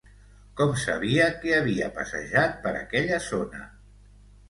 Com sabia que havia passejat per aquella zona?